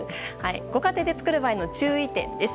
ご家庭で作る場合の注意点です。